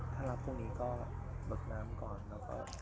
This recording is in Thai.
ถ้ารับพรุ่งนี้ก็บอกน้ำก่อน